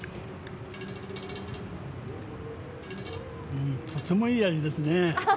うんとてもいい味ですね。